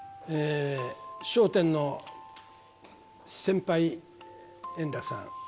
笑点の先輩、円楽さん。